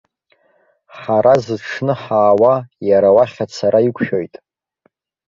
Ҳара зыҽны ҳаауа, иара уахь ацара иқәшәоит.